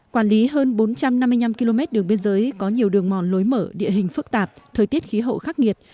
quản lý hơn bốn trăm năm mươi năm km đường biên giới có nhiều đường mòn lối mở địa hình phức tạp thời tiết khí hậu khắc nghiệt